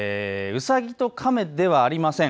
うさぎと亀ではありません。